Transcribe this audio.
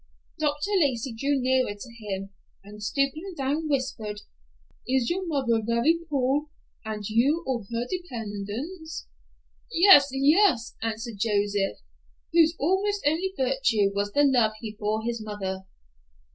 Dr. Lacey drew nearer to him and stooping down, whispered, "Is your mother very poor and you all her dependence?" "Yes, yes," answered Joseph, whose almost only virtue was the love he bore his mother.